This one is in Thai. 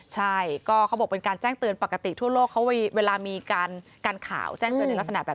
ใช่ก็เขาบอกเป็นการแจ้งเตือนปกติทั่วโลกเขาเวลามีการข่าวแจ้งเตือนในลักษณะแบบ